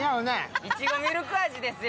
いちごみるく味ですよ。